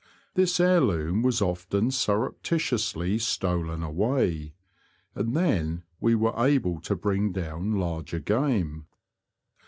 This heir loom was often surreptitiously stolen away, and then we were able to bring down larger game.